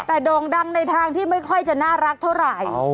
แต่โด่งดังในทางที่ไม่ค่อยจะน่ารักเท่าไหร่